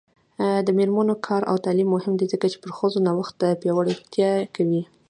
د میرمنو کار او تعلیم مهم دی ځکه چې ښځو نوښت پیاوړتیا کوي.